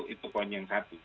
itu pokoknya yang satu